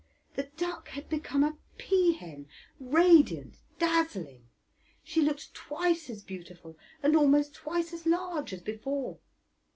The duck had become a peahen radiant, dazzling; she looked twice as beautiful and almost twice as large as before.